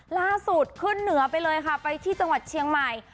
ล่าสุดขึ้นเหนือไปเลยค่ะไปที่จังหวัดเชียงใหม่